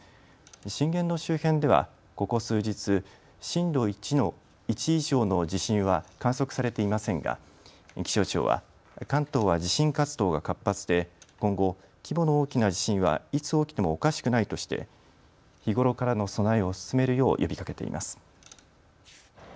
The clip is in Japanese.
震源の周辺ではここ数日、震度１以上の地震は観測されていませんが気象庁は関東は地震活動が活発で今後、規模の大きな地震はいつ起きてもおかしくないとして日頃からの備えを進めるよう呼びかけています。